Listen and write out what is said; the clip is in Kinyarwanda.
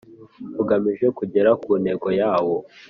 ugamije kugera ku ntego yawo